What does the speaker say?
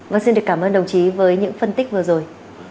vâng xin được cảm ơn đồng chí với những phân tích vừa rồi